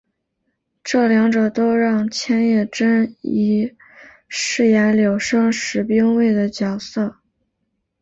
这两者都让千叶真一饰演柳生十兵卫的角色。